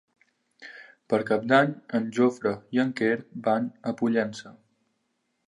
Per Cap d'Any en Jofre i en Quer van a Pollença.